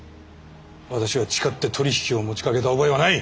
私は誓って取り引きを持ちかけた覚えはない！